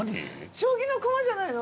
将棋の駒じゃないの？